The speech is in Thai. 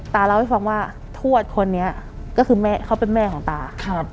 ตาเล่าให้ฟังว่าทวดคนนี้ก็คือแม่เขาเป็นแม่ของตา